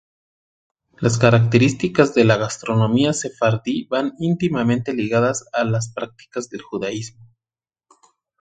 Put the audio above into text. Las características de la gastronomía sefardí van íntimamente ligadas a las prácticas del judaísmo.